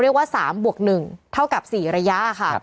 เรียกว่า๓บวก๑เท่ากับ๔ระยะค่ะ